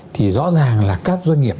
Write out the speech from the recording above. thì rõ ràng là các doanh nghiệp